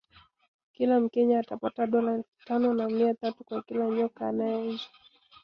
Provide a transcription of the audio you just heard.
Kila mkenya atapata dola elfu tano na mia tatu kwa kila nyoka anayeuza